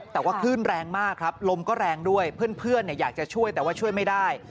แต่ว่าคลื่นแรงมากครับลมก็แรงด้วยเพื่อนอยากจะช่วยแต่ว่าช่วยไม่ได้